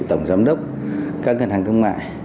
tổng giám đốc các ngân hàng thương mại